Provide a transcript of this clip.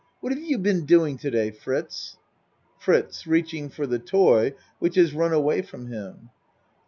What have you been doing to day, Fritz? FRITZ (Reaching for the toy which has run away from him.)